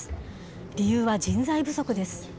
理由は人材不足です。